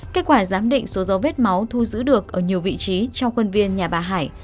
kết quả giám định số dấu vết máu thu giữ được ở nhiều vị trí trong khuôn viên nhà bà hải